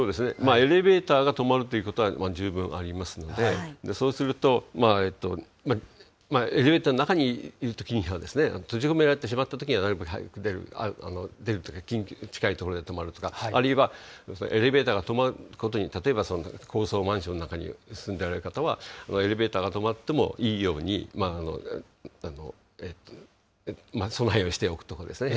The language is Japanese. エレベーターが止まるということは十分ありますので、そうすると、エレベーターの中にいるときには、閉じ込められてしまったときにはなるべく早く出るとか、近い所で止まるとか、あるいはエレベーターが止まることに、高層マンションなんかに住んでおられる方は、エレベーターが止まってもいいように、備えをしておくとかですね。